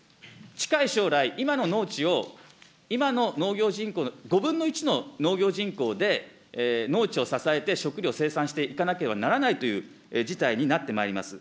近い将来、今の農地を、今の農業人口の５分の１の農業人口で農地を支えて、食料を生産していかなければならないという事態になってまいります。